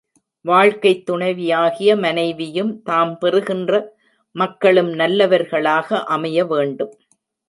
வாழ்க்கைத் துணைவியாகிய மனைவியும், தாம் பெறுகின்ற மக்களும் நல்லவர்களாக அமைய வேண்டும்.